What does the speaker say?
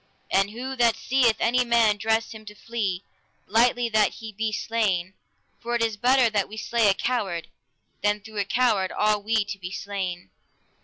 And who that seeth any man dress him to flee, lightly that he be slain, for it is better that we slay a coward, than through a coward all we to be slain.